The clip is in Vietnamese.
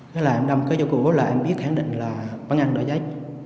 thế là em đâm kế vô cổ lại em biết khẳng định là bán ăn đã chạy